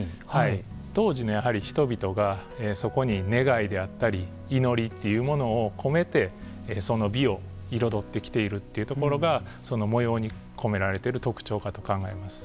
当時の人々がそこに願いであったり祈りというものを込めて、その美を彩ってきているというところがその模様に込められている特徴かと考えます。